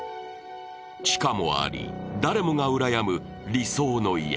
地下もあり、誰もがうらやむ理想の家。